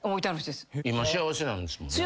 今幸せなんですもんね。